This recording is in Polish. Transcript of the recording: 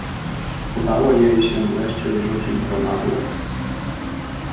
"Udało się jej wreszcie zrzucić go na dół."